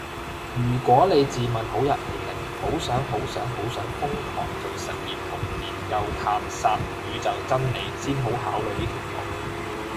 如果你自問好有毅力，好想好想好想瘋狂做實驗同研究探索宇宙真理先好考慮呢條路